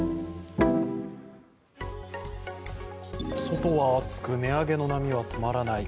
外は暑く値上げの波は止まらない。